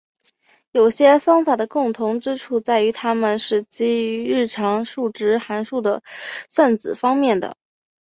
有些方法的一个共同之处在于它们是基于日常数值函数的算子方面的。